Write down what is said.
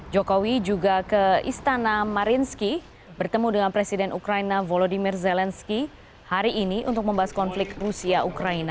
jokowi juga ke istana marinski bertemu dengan presiden ukraina volodymyr zelensky hari ini untuk membahas konflik rusia ukraina